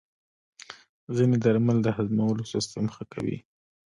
ځینې درمل د هضمولو سیستم ښه کوي.